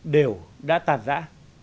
đều đã tàn giã